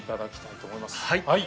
はい。